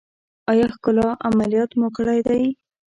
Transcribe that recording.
ایا ښکلا عملیات مو کړی دی؟